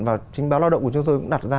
và chính báo lao động của chúng tôi cũng đặt ra